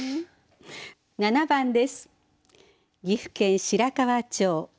７番です。